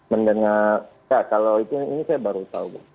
mendengar ya kalau ini saya baru tahu